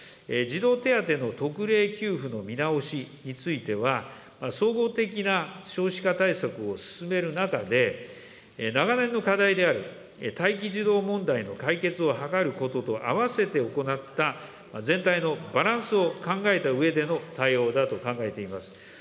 児童手当の特例給付の見直しについては、総合的な少子化対策を進める中で、長年の課題である、待機児童問題の解決を図ることと併せて行った全体のバランスを考えたうえでの対応だと考えています。